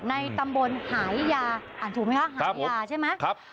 ในตำบลหายยาอ่านถูกไหมคะหายาใช่ไหม